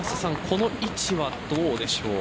この位置はどうでしょう？